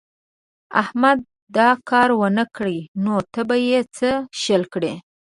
احمد دا کار و نه کړ نو ته به يې څه شل کړې.